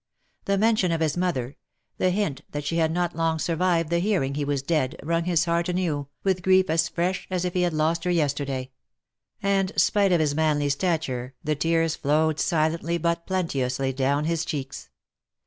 The mention of his mo ther — the hint that she had not long survived the hearing he was dead, wrung his heart anew, with grief as fresh as if he had lost her yesterday ; and spite of his manly stature, the tears flowed silently, but plenteously, down his cheeks.